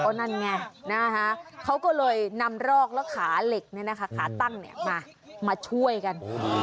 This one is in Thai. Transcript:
เพราะนั่นไงนะฮะเขาก็เลยนำรอกแล้วขาเหล็กเนี่ยนะคะขาตั้งเนี่ยมามาช่วยกัน